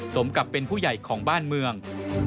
สมกับเป็นผู้ใหญ่ของบ้านเมือง